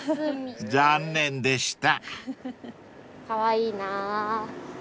［残念でした］